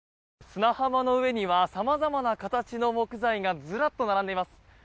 砂浜の上には様々な形の木材がずらっと並んでいます。